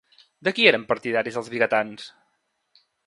De qui eren partidaris els vigatans?